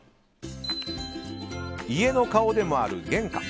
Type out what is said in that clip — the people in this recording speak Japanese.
家の顔でもある玄関。